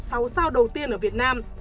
sáu sao đầu tiên ở việt nam